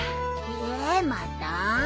えーまた？